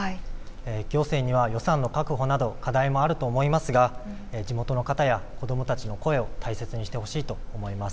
行政には予算の確保などの課題はあると思いますが地元の方や子どもたちの声を大切にしてほしいと思います。